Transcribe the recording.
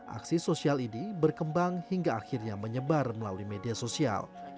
aksi sosial ini berkembang hingga akhirnya menyebar melalui media sosial